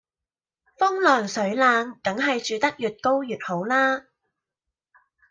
風涼水冷梗係住得越高越好啦